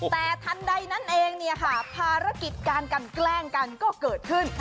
แต่ทันใดนั้นเองเนี่ยค่ะภารกิจการกันแกล้งกันก็เกิดขึ้น